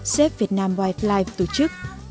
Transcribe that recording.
sếp việt nam wildlife tổ chức